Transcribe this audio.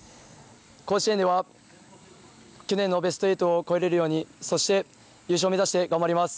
甲子園では、去年のベスト８を越えられるようにそして優勝を目指して頑張ります。